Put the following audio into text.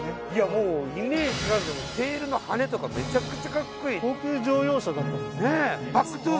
もうイメージテールのはねとかめちゃくちゃかっこいい高級乗用車だったんですねえ